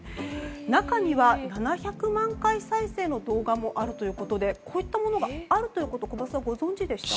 中には７００万回再生の動画もあるということでこういうものがあることを小松さん、ご存じでしたか？